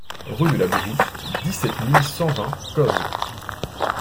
Rue de la Brousse, dix-sept mille cent vingt Cozes